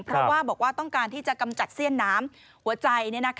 เพราะว่าบอกว่าต้องการที่จะกำจัดเสี้ยนน้ำหัวใจ